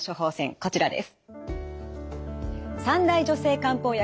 こちらです。